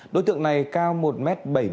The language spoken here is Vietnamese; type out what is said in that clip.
đối tượng này cao một m bảy mươi tám